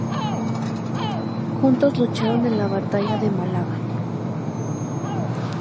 Juntos lucharon en la batalla de Málaga.